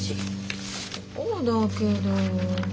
そうだけど。